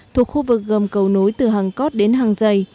thuộc khu vực gồm cầu nối từ hàng cót đến hàng dày